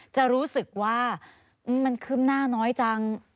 จะรู้สึกว่ามันขึ้นหน้าน้อยจัง